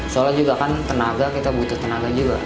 soalnya juga kan tenaga kita butuh tenaga juga